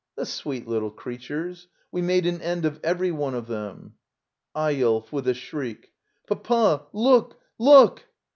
The sweet little creatures! We made an end of every one of them. Eyolf. [With a shriek.] Papa — look! look!